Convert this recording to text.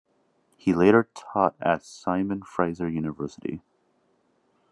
He later taught at Simon Fraser University.